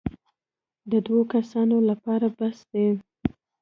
د دوو کسانو لپاره بس دی.